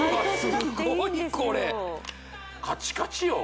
すごいこれカチカチよ